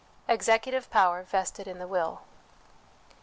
Executive Power vested in the Will.